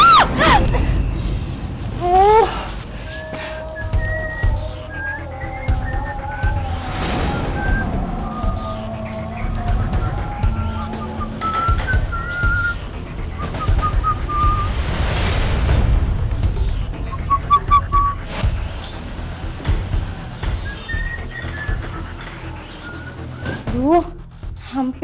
ikut gue yuk